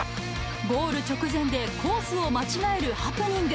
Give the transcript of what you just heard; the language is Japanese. ゴール直前でコースを間違えるハプニング。